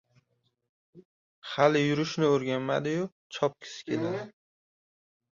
• Hali yurishni o‘rganmadi-yu, chopgisi keladi.